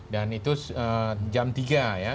dan itu jam tiga ya